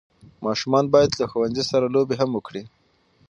ماشومان باید له ښوونځي سره لوبي هم وکړي.